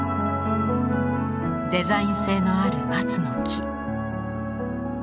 デザイン性のある松の木。